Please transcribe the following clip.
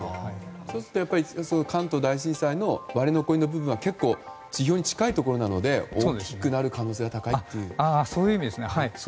そうすると関東大震災の割れ残りの部分は結構、地表に近いところなので大きくなる可能性が高いということですか。